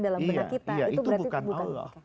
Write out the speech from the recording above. dalam benak kita itu bukan allah